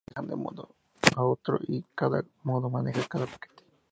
Los datos viajan de un nodo a otro, y cada nodo maneja cada paquete.